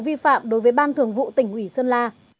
vi phạm đối với ban thường vụ tỉnh ủy sơn la